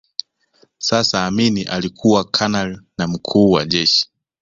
Sasa Amin alikuwa kanali na mkuu wa jeshi